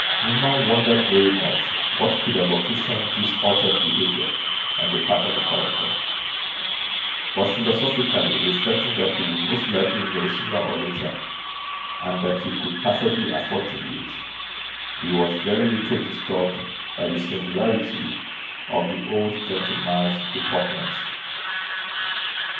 Newman wondered very much what could have occasioned this altered behaviour on the part of the collector; but, philosophically reflecting that he would most likely know, sooner or later, and that he could perfectly afford to wait, he was very little disturbed by the singularity of the old gentleman's deportment.